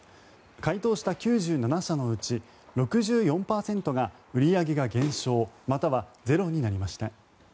回答した９７社のうち６４％が売り上げが減少またはゼロになりました。